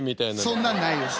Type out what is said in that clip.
そんなのないです。